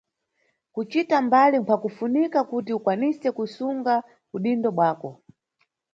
Kucita mbali nkhwakufunika kuti ukwanise kusunda udindo bwako.